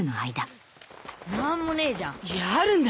なんもねえじゃん。